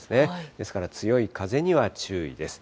ですから、強い風には注意です。